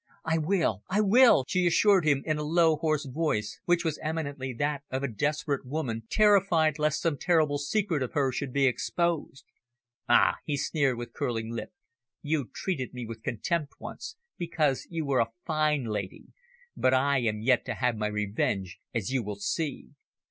"I will, I will," she assured him in a low, hoarse voice, which was eminently that of a desperate woman, terrified lest some terrible secret of hers should be exposed. "Ah!" he sneered with curling lip, "you treated me with contempt once, because you were a fine lady, but I am yet to have my revenge, as you will see.